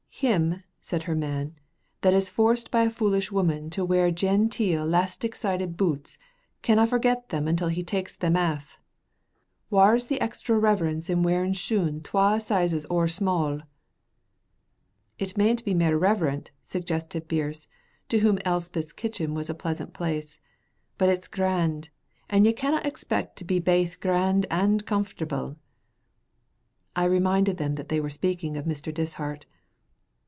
"Him," said her man, "that is forced by a foolish woman to wear genteel 'lastic sided boots canna forget them until he takes them aff. Whaur's the extra reverence in wearing shoon twa sizes ower sma'?" "It mayna be mair reverent," suggested Birse, to whom Elspeth's kitchen was a pleasant place, "but it's grand, and you canna expect to be baith grand and comfortable." I reminded them that they were speaking of Mr. Dishart.